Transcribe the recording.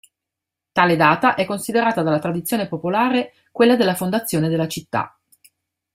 Tale data è considerata dalla tradizione popolare quella della fondazione della città.